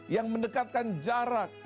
yang mendekatkan jarak